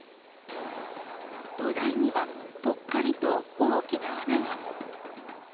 土台には、ぽっかりと大きな穴が。